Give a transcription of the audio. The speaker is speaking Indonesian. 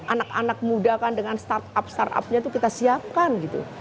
anak anak muda kan dengan startup startupnya itu kita siapkan gitu